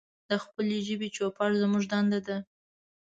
د خپلې ژبې چوپړ زمونږ دنده ده.